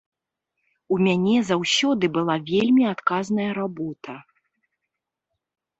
У мяне заўсёды была вельмі адказная работа.